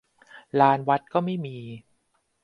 ลานวัดก็ไม่มี